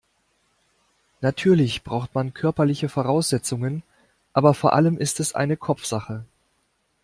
Natürlich braucht man körperliche Voraussetzungen, aber vor allem ist es eine Kopfsache.